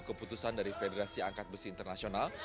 keputusan dari federasi angkat besi internasional